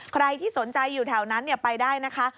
ใครที่สนใจอยู่แถวนั้นไปได้นะคะ